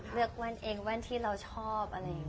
เลือกแว่นเองแว่นที่เราชอบอะไรกันค่ะ